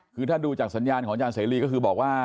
คือถ้าดูจากสัญญาณของอาจารย์เสรีก็คือบอกว่า